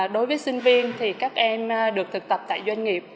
đối với sinh viên thì các em được thực tập tại doanh nghiệp